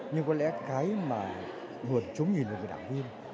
nhưng có lẽ cái mà nguồn chống nhìn của người đảng viên